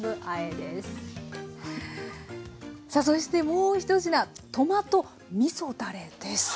さあそしてもう１品トマトみそだれです。